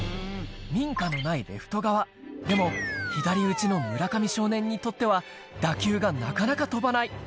民家のないレフト側、でも左打ちの村上少年にとっては、打球がなかなか飛ばない。